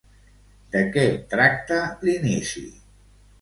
De què tracta l'inici?